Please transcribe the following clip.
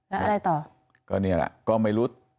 แล้วอะไรต่อก็เนี่ยแหละก็ไม่รู้